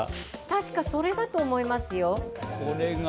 確か、それだと思いますよ。